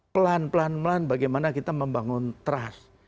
pelan pelan pelan bagaimana kita membangun trust